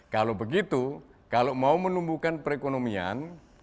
kalau begitu kalau mau menumbuhkan perekonomian